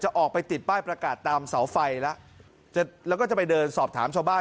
ออกไปติดป้ายประกาศตามเสาไฟแล้วแล้วก็จะไปเดินสอบถามชาวบ้าน